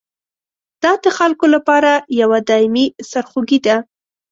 دا د خلکو لپاره یوه دایمي سرخوږي ده.